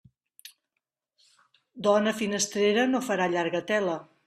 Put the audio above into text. Dona finestrera, no farà llarga tela.